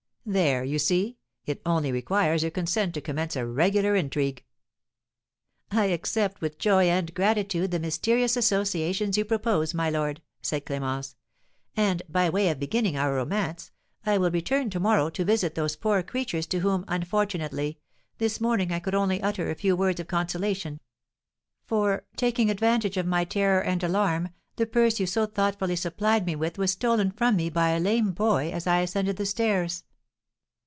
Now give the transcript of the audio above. There, you see, it only requires your consent to commence a regular intrigue." "I accept with joy and gratitude the mysterious associations you propose, my lord," said Clémence; "and, by way of beginning our romance, I will return to morrow to visit those poor creatures to whom, unfortunately, this morning I could only utter a few words of consolation; for, taking advantage of my terror and alarm, the purse you so thoughtfully supplied me with was stolen from me by a lame boy as I ascended the stairs.